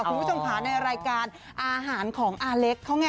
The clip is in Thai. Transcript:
คุณผู้ชมผ่านในรายการอาหารของอาเล็ก